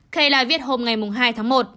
kelly lại viết hôm ngày hai tháng một